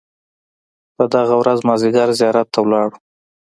په دغه ورځ مازیګر زیارت ته ولاړو.